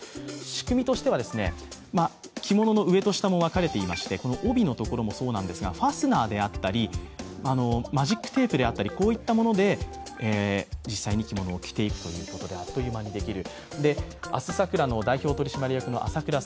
仕組みとしては着物の上と下も分かれていまして、帯のところもそうなんですがファスナーであったり、マジックテープであったりこういったもので実際に着物を着ているということであっという間にできる。